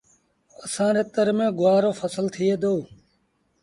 اسآݩ ري تر ميݩ گُوآر رو ڦسل ٿئي دو۔